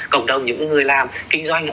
cộng đồng những người làm kinh doanh